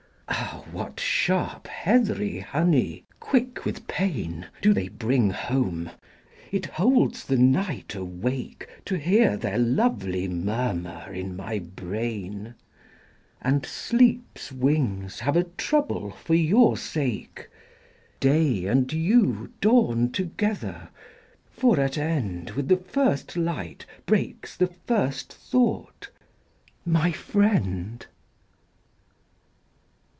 Ah, what sharp heathery honey, quick with pain, Do they bring home! It holds the night awakeTo hear their lovely murmur in my brain, And sleep's wings have a trouble for your sake. Day and you dawn together; for, at end, With the first light breaks the first thought—my Friend.